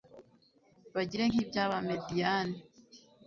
bagire nk'ibyabamediyani